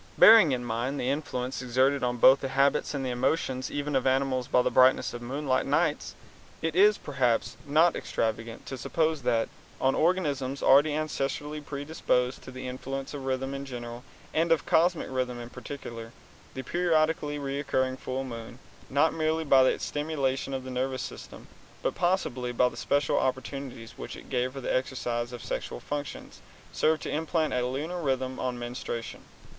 Bearing in mind the influence exerted on both the habits and the emotions even of animals by the brightness of moonlight nights, it is perhaps not extravagant to suppose that, on organisms already ancestrally predisposed to the influence of rhythm in general and of cosmic rhythm in particular, the periodically recurring full moon, not merely by its stimulation of the nervous system, but possibly by the special opportunities which it gave for the exercise of the sexual functions, served to implant a lunar rhythm on menstruation.